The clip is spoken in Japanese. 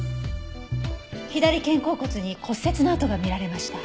左肩甲骨に骨折の痕が見られました。